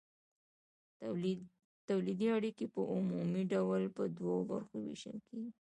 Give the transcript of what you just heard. تولیدي اړیکې په عمومي ډول په دوو برخو ویشل کیږي.